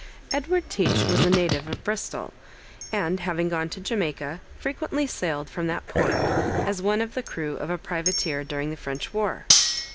Edward Teach was a native of Bristol, and having gone to Jamaica, frequently sailed from that port as one of the crew of a privateer during the French war.